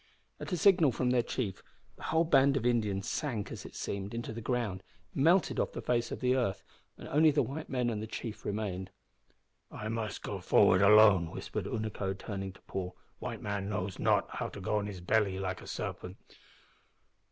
At a signal from their chief the whole band of Indians sank, as it seemed, into the ground, melted off the face of the earth, and only the white men and the chief remained. "I must go forward alone," whispered Unaco, turning to Paul. "White man knows not how to go on his belly like the serpent."